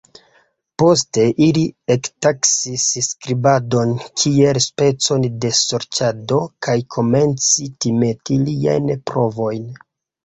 Poste, ili ektaksis skribadon kiel specon de sorĉado kaj komenci timeti liajn provojn.